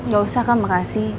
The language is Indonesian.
gak usah kak makasih